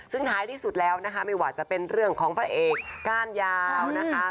ซึ่งท้ายที่สุดแล้วนะคะไม่ว่าจะเป็นเรื่องของพระเอกก้านยาวนะคะ